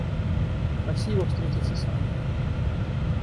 Попроси его встретиться со мной.